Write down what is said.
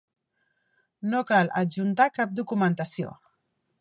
No cal adjuntar cap documentació.